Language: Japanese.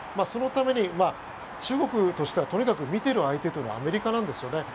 そのために中国としてはとにかく見ている相手はアメリカなんですよね。